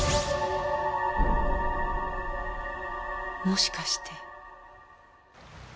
もしかして。